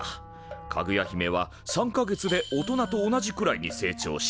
かぐや姫は３か月で大人と同じくらいに成長した。